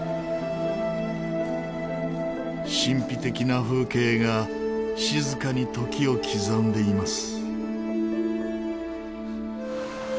神秘的な風景が静かに時を刻んでいます。